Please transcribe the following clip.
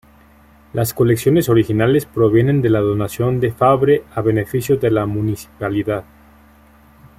Las colecciones originales provienen de la donación de Fabre a beneficio de la municipalidad.